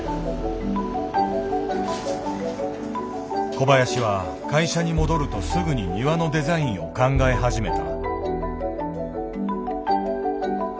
小林は会社に戻るとすぐに庭のデザインを考え始めた。